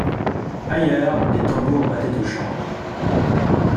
Ailleurs, des tambours battaient aux champs.